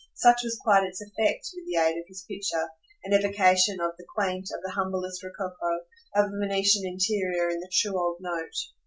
Such was quite its effect, with the aid of his picture an evocation of the quaint, of the humblest rococo, of a Venetian interior in the true old note.